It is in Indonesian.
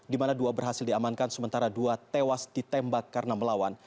di mana dua berhasil diamankan sementara dua tewas ditembak karena melawan